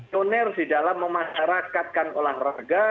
pionir di dalam memasyarakatkan olahraga